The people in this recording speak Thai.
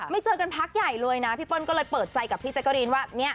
เจอกันพักใหญ่เลยนะพี่เปิ้ลก็เลยเปิดใจกับพี่แจ๊กกะรีนว่าเนี่ย